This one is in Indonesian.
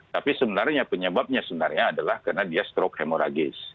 tapi sebenarnya penyebabnya sebenarnya adalah karena dia stroke hemoragis